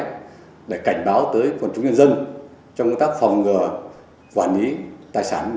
trong minh th trước hung tấm để lập phẩm controlar và own dầu sáng